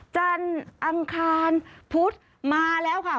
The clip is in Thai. จันทร์อังคารพุธมาแล้วค่ะ